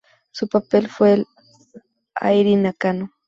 Su papel fue el de Airi Nakano.